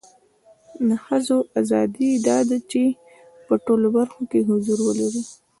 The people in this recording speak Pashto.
د خځو اذادی دا ده چې په ټولو برخو کې حضور ولري